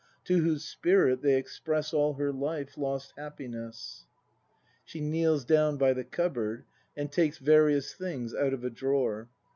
ACT IV] BRAND 199 To whose spirit they express All her life lost happiness. [SJie kneels down by the cupboard, and takes various things out of a drawer.